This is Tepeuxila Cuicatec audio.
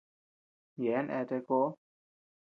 Yeaben eate koʼo.